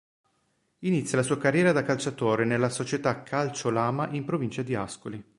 Inizia la sua carriera da calciatore nella società Calcio Lama in provincia di Ascoli.